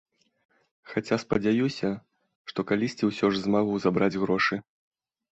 Хаця спадзяюся, што калісьці ўсё ж змагу забраць грошы.